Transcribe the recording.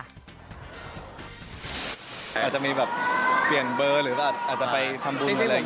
อาจจะมีแบบเปลี่ยนเบอร์หรือว่าอาจจะไปทำบุญอะไรอย่างนี้